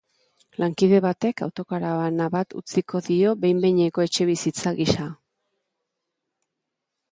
Lankide batek autokarabana bat utziko dio behin-behineko etxebizitza gisa.